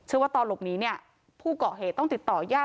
เชื่อว่าตอนรบนี้เนี่ยพูดก่อเหตุต้องติดต่อย่าต